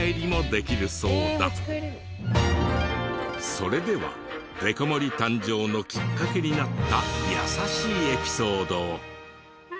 それではデカ盛り誕生のきっかけになった優しいエピソードを。